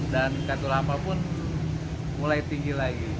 dan kata lama pun mulai tinggi lagi